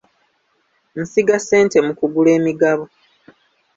Nsiga ssente mu kugula emigabo.